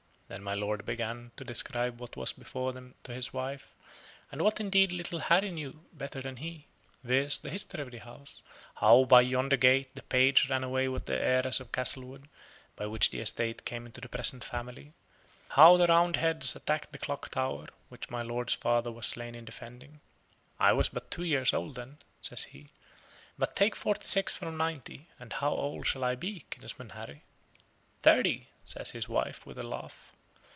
Then my lord began to describe what was before them to his wife, and what indeed little Harry knew better than he viz., the history of the house: how by yonder gate the page ran away with the heiress of Castlewood, by which the estate came into the present family; how the Roundheads attacked the clock tower, which my lord's father was slain in defending. "I was but two years old then," says he, "but take forty six from ninety, and how old shall I be, kinsman Harry?" "Thirty," says his wife, with a laugh.